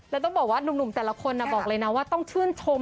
แล้วต้องบอกว่าหนุ่มแต่ละคนบอกเลยนะว่าต้องชื่นชม